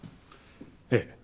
ええ。